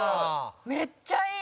めっちゃいい！